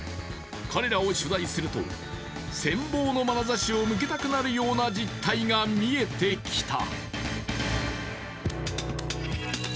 彼らを取材すると、羨望の眼差しを向けたくなるような実態が見えてきた。